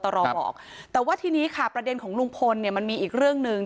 ตำรวจบอกว่าภายในสัปดาห์เนี้ยจะรู้ผลของเครื่องจับเท็จนะคะ